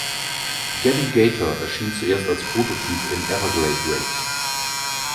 Gabby Gator erschien zuerst als Prototyp in „Everglade Raid“.